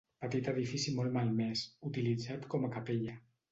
Petit edifici molt malmès, utilitzat com a capella.